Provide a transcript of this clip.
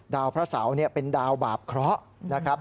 พระเสาเป็นดาวบาปเคราะห์นะครับ